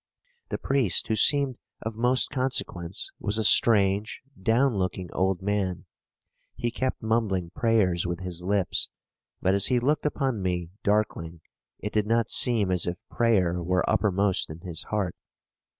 The priest who seemed of most consequence was a strange, down looking old man. He kept mumbling prayers with his lips; but as he looked upon me darkling, it did not seem as if prayer were uppermost in his heart.